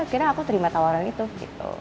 akhirnya aku terima tawaran itu gitu